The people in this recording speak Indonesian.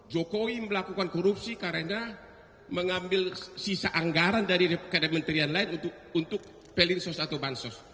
jokowi melakukan korupsi karena mengambil sisa anggaran dari kementerian lain untuk pelinsos atau bansos